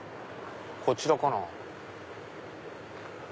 こちらかな。